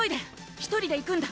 １人で行くんだ！